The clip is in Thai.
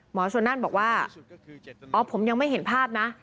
หมอสุรนานบอกว่าอ๋อผมยังไม่เห็นภาพนะ